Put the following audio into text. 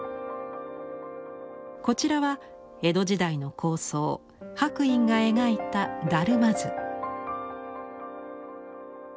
こちらは江戸時代の高僧白隠が描いた達磨図。